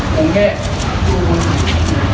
ภูมิแค่ภูมิ